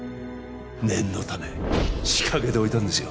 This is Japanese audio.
念のため仕掛けておいたんですよ